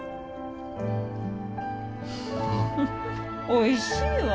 おいしいわ。